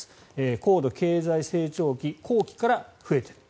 高度経済成長期後期から増えている。